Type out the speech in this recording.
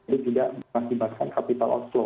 jadi tidak mengakibatkan capital outflow